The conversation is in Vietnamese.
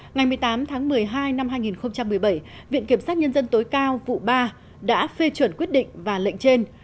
ngày một mươi tám tháng một mươi hai năm hai nghìn một mươi bảy viện kiểm sát nhân dân tối cao vụ ba đã phê chuẩn quyết định và lệnh trên